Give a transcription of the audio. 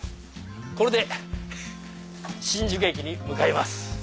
これで新宿駅に向かいます。